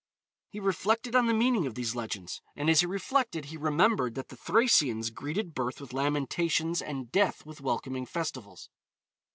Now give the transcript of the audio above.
He reflected on the meaning of these legends, and, as he reflected, he remembered that the Thracians greeted birth with lamentations and death with welcoming festivals.